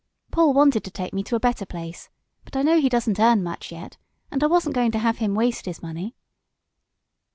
Paul wanted to take me to a better place, but I know he doesn't earn much yet, and I wasn't going to have him waste his money."